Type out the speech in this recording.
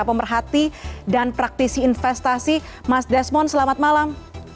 pemerhati dan praktisi investasi mas desmond selamat malam